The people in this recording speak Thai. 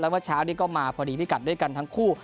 แล้วก็เช้านี้ก็มาพอดีพิกัดทั้งคู่